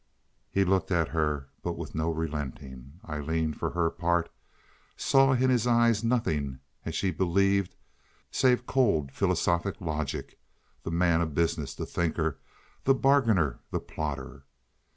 He looked at her, but with no relenting. Aileen, for her part, saw in his eyes nothing, as she believed, save cold philosophic logic—the man of business, the thinker, the bargainer, the plotter.